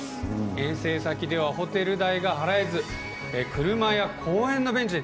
遠征先ではホテル代が払えず、車や公園のベンチで。